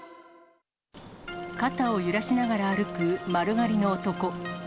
肩を揺らしながら歩く丸刈りの男。